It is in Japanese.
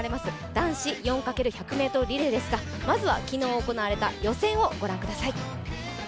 男子４ｘ１００ｍリレーですがまずは昨日行われた予選をご覧ください。